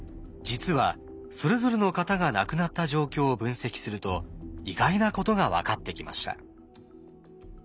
実はそれぞれの方が亡くなった状況を分析すると意外なことが分かってきました。